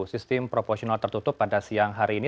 sistem proporsional tertutup pada siang hari ini